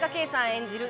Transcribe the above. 演じる